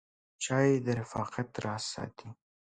چای د رفاقت راز ساتي.